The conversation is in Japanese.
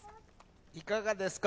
いかがですか？